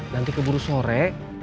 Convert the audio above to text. nanti keburu sore